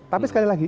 tapi sekali lagi